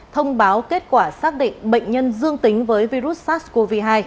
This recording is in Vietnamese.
thông báo kết quả xác định bệnh nhân dương tính với virus sars cov hai